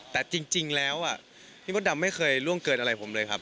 แต่จริงแล้วพี่มดดำไม่เคยล่วงเกินอะไรผมเลยครับ